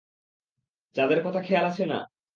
চাঁদের কথা খেয়াল আছে না।